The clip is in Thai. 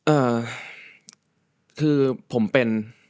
อ่าคือผมเป็น